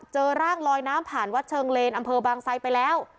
เจอร่างลอยน้ำผ่านวัดเชิงเลนอำเภอบางไซดไปแล้ว